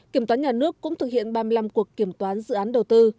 kiểm toán nhà nước cũng thực hiện ba mươi năm cuộc kiểm toán dự án đầu tư